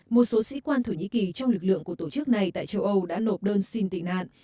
một số sĩ quan thổ nhĩ kỳ trong lực lượng của tổ chức này tại châu âu đã nộp đơn xin tị nạn